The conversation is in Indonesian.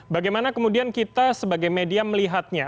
bagaimana kemudian kita sebagai media melihatnya